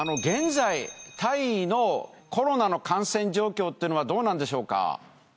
現在タイのコロナの感染状況はどうなんでしょうか？